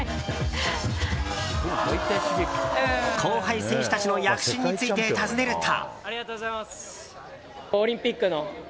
後輩選手たちの躍進について尋ねると。